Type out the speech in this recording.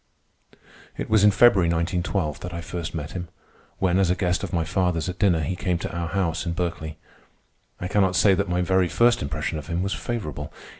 It was in February, 1912, that I first met him, when, as a guest of my father's at dinner, he came to our house in Berkeley. I cannot say that my very first impression of him was favorable.